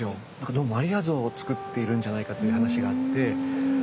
どうもマリア像をつくっているんじゃないかという話があって。